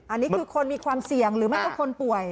อันนี้คือคนมีความเสี่ยงหรือไม่ก็คนป่วย